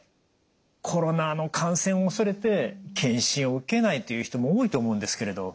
コロナの感染を恐れて検診を受けないという人も多いと思うんですけれど。